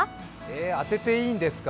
当てていいんですか？